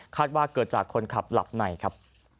ว่าเกิดจากคนขับหลับในครับ